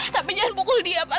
tapi jangan pukul dia pak